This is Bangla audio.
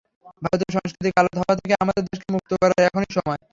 ভারতীয় সংস্কৃতির কালো থাবা থেকে আমাদের দেশকে মুক্ত করার এখনি সময়।